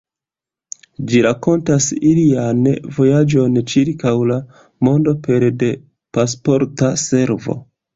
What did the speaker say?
Ĝi rakontas ilian vojaĝon ĉirkaŭ la mondo pere de Pasporta Servo.